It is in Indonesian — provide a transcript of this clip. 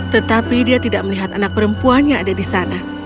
tetapi dia tidak melihat anak perempuannya ada di sana